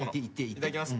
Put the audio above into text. いただきます。